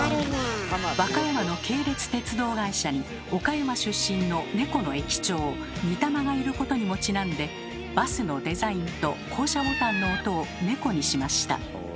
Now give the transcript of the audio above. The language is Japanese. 和歌山の系列鉄道会社に岡山出身のネコの駅長ニタマがいることにもちなんでバスのデザインと降車ボタンの音をネコにしました。